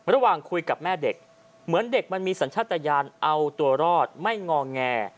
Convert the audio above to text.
ระหว่างคุยกับแม่เด็กเหมือนเด็กมันมีสัญชาติยานเอาตัวรอดไม่งอแง